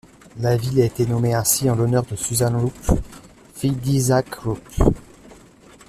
La ville a été nommée ainsi en l'honneur de Susan Roop, fille d'Isaac Roop.